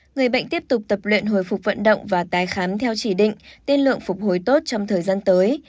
người bệnh tiếp tục tập luyện hồi phục vận động và tái khám theo chỉ định tiên lượng phục hồi tốt trong thời gian tới